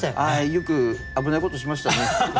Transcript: よく危ないことしましたね。